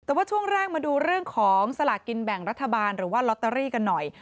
แต่ว่าช่วงแรกมาดูเรื่องของสลากินแบ่งรัฐบาลหรือว่าลอตเตอรี่กันหน่อย